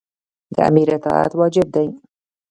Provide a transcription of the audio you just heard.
د امیر اطاعت واجب دی.